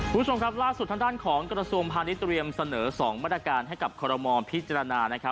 ผู้ชมครับล่าสุดทางด้านของกรสมภัณฑ์นิตเตรียมเสนอ๒วัตการให้กับคอรมมอล์พิจารณา